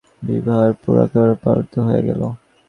বিভার মুখ একেবারে পাণ্ডুবর্ণ হইয়া গেল।